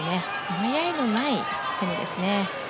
迷いのない攻めですね。